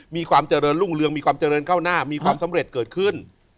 มีความเจริญรุ่งเรืองมีความเจริญก้าวหน้ามีความสำเร็จเกิดขึ้น